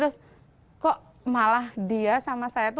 kok malah dia sama saya itu kok malah bergerak dengan saya itu